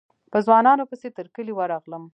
په ځوانانو پسې تر کلي ورغلم.